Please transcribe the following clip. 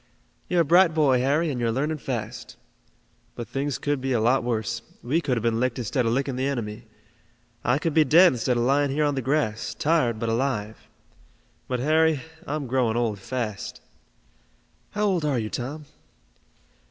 "You're a bright boy, Harry, and you're learning fast. But things could be a lot worse. We could have been licked instead of licking the enemy. I could be dead instead of lying here on the grass, tired but alive. But, Harry, I'm growing old fast." "How old are you, Tom?"